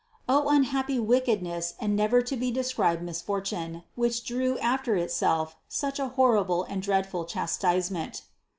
O unhappy wickedness and never to be described mis fortune, which drew after itself such a horrible and dreadful chastisement!